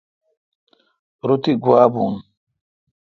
رو تی گوا بھو۔